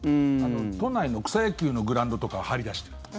都内の草野球のグラウンドとかは貼り出してる。